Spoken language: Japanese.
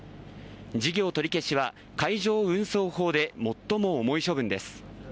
事業取り消しは海上運送法で最も重い処分です。